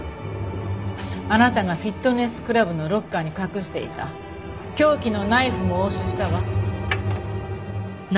あなたがフィットネスクラブのロッカーに隠していた凶器のナイフも押収したわ。